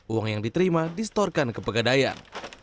uang yang diterima distorkan ke pegadaian